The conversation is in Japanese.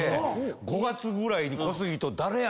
５月ぐらいに小杉と。